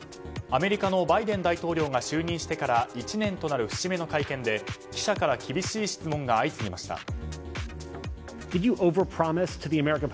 アメリカのバイデン大統領が就任してから１年となる節目の会見で記者から厳しい質問が相次ぎました。